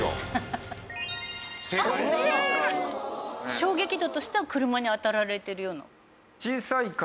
衝撃度としては車に当たられているような。